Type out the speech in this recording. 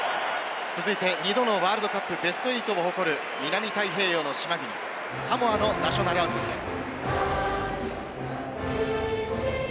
続いて、２度のワールドカップベスト８を誇る南太平洋の島国、サモアのナショナルアンセムです。